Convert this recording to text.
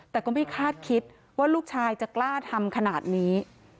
แต่ก็ไม่คาดคิดว่าลูกชายจะกล้าทำขนาดนี้